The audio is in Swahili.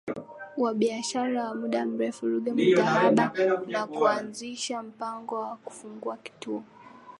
wa biashara wa muda mrefu Ruge Mutahaba na kuanzisha mpango wa kufungua kituo